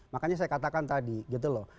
makanya saya katakan tadi gitu loh